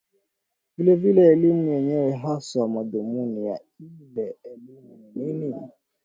vile ile elimu yenyewe haswa madhumuni ya ile elimu ni nini